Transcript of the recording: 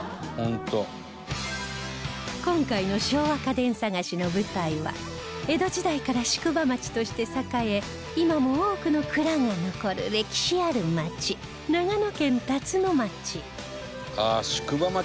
今回の昭和家電探しの舞台は江戸時代から宿場町として栄え今も多くの蔵が残る歴史ある町長野県辰野町